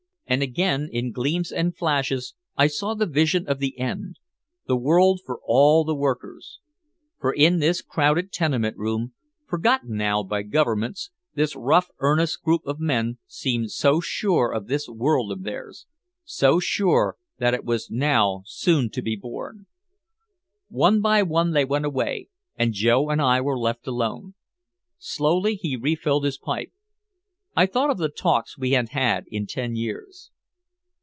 And again in gleams and flashes I saw the vision of the end the world for all the workers. For in this crowded tenement room, forgotten now by governments, this rough earnest group of men seemed so sure of this world of theirs, so sure that it was now soon to be born. One by one they went away, and Joe and I were left alone. Slowly he refilled his pipe. I thought of the talks we had had in ten years.